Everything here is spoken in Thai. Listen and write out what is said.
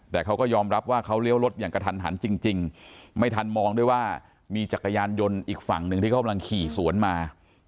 แต่เขาก็ยอมรับว่าเขาเลี้ยวรถอย่างกระทันหันจริงไม่ทันมองด้วยว่ามีจักรยานยนต์อีกฝั่งหนึ่งที่เขากำลังขี่สวนมา